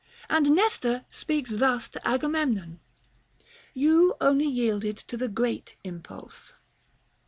And Nestor speaks thus to Agamemnon : You only yielded to the great impulse.